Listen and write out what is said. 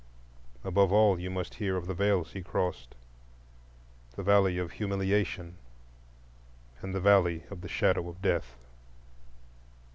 Above all, you must hear of the vales he crossed,—the Valley of Humiliation and the Valley of the Shadow of Death.